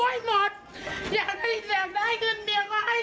อยากให้แสงได้เงินเมียก็ให้สามสิบล้านแล้วทำไมไม่อยู่ใช้เงิน